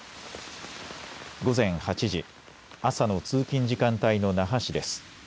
午前８時朝の通勤時間帯の那覇市です。